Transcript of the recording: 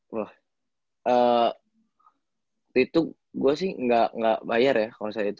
waktu itu gue sih gak bayar ya kalo misalnya itu